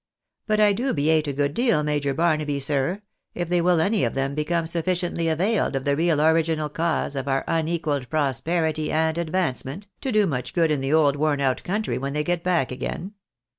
But I dubiate, a good deal, Major Barnaby, sir, if they will any of tbem become sufficiently availed of the real original cause of our unequalled prosperity and advancement, to do much good in the old worn out country when they get back again.